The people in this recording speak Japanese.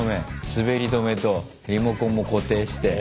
滑り止めとリモコンも固定して。